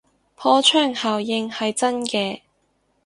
破窗效應係真嘅